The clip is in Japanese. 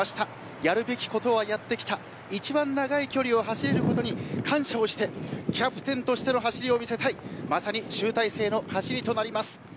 やるべきことはやってきた一番長い距離を走れることに感謝をして、キャプテンとしての走りを見せたいまさに集大成の走りとなります。